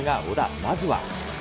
まずは。